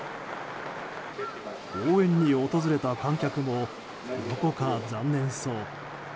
応援に訪れた観客もどこか残念そう。